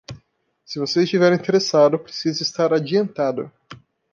Se você estiver interessado, precisa estar adiantado